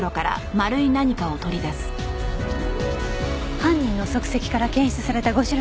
犯人の足跡から検出された５種類の物質。